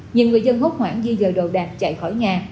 nhiều người dân hốt hoảng di dời đồ đạc chạy khỏi nhà